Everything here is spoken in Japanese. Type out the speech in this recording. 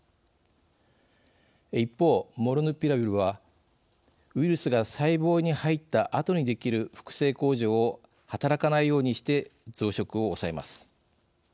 一方モルヌピラビルはウイルスが細胞に入ったあとにできる複製工場を働かないようにして増殖を抑えます。